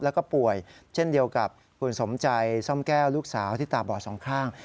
แล้วก็ป่วยเช่นเดียวกับคุณสมใจซ่อมแก้วลูกสาวที่ตาบอดสองข้าง